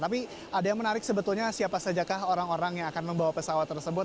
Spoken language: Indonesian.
tapi ada yang menarik sebetulnya siapa saja kah orang orang yang akan membawa pesawat tersebut